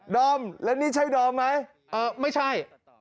อมแล้วนี่ใช่ดอมไหมไม่ใช่